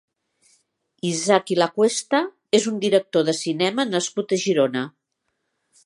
Isaki Lacuesta és un director de cinema nascut a Girona.